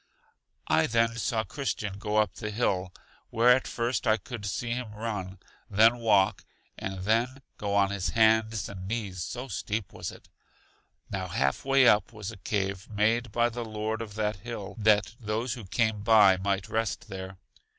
I then saw Christian go up the hill, where at first I could see him run, then walk, and then go on his hands and knees, so steep was it. Now half way up was a cave made by the Lord of that hill, that those who came by might rest there.